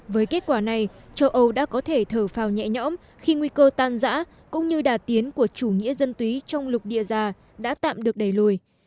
với kết quả này châu âu đã có thể thở phào nhẹ nhõm khi nguy cơ tan giã cũng như đà tiến của chủ nghĩa dân túy trong lục địa già đã tạm được đẩy lùi